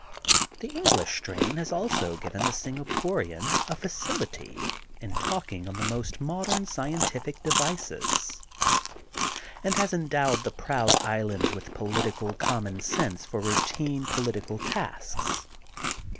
The English strain has also given the Singaporian a facility in taking on the most modern scientific devices, and has endowed the proud island with politi cal common sense for routine political tasks.